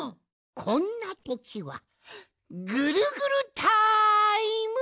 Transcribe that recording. こんなときはぐるぐるタイム！